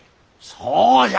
そうじゃ。